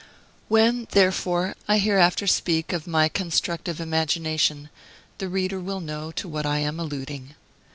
When, therefore, I hereafter speak of my "constructive imagination," the reader will know to what I am alluding.